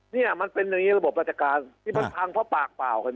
นี่มันเป็นระบบราชการที่มันพังเพราะปากเปล่า